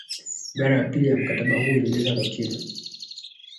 ibara ya pili ya mkataba huo ilieleza kwa kina